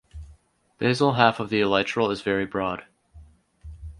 Basal half of the elytral is very broad.